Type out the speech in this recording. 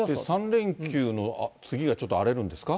３連休の次がちょっと荒れるんですか。